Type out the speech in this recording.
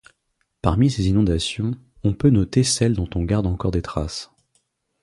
Parmi ces inondations, on peut noter celles dont on garde encore des traces.